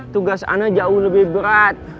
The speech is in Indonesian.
tugas ana jauh lebih berat